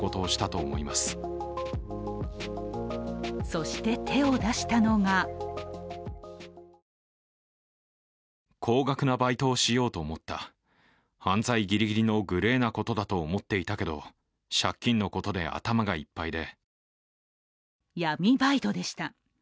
そして、手を出したのが闇バイトでした。